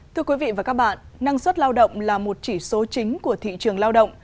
thưa quý vị và các bạn năng suất lao động là một chỉ số chính của thị trường lao động